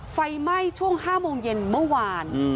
ไฟไหม้ช่วง๕โมงเย็นเมื่อวาน